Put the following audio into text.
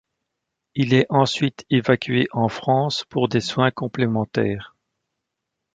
Il est ensuite évacué en France pour des soins complémentaires.